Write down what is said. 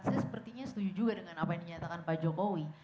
saya sepertinya setuju juga dengan apa yang dinyatakan pak jokowi